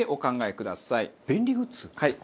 はい。